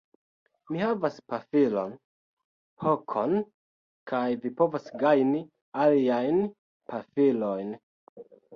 Mi havas pafilon, hokon... kaj vi povas gajni aliajn pafilojn.